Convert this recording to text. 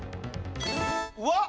うわっ！